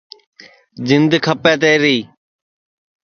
جِند کھپے تیری